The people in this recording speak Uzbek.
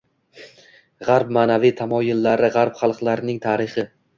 G‘arb ma’naviy tamoyillari g‘arb xalqlarining tarixi